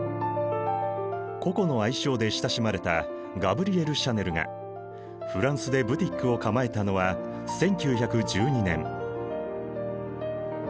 ココの愛称で親しまれたガブリエル・シャネルがフランスでブティックを構えたのは１９１２年。